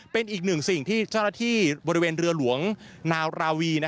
เป็นอีกหนึ่งสิ่งที่เจ้าหน้าที่บริเวณเรือหลวงนาวราวี